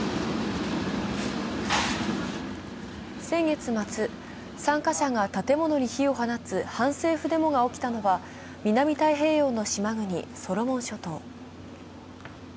先月末、参加者が建物に火を放つ反政府デモが起きたのは南太平洋の島国、ソロモン諸島。